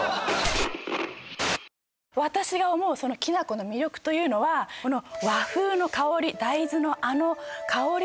私が思うきな粉の魅力というのはこの和風の香り